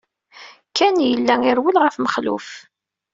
Ken yella irewwel ɣef Mexluf.